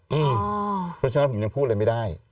เพราะฉะนั้นผมยังพูดอะไรไม่ได้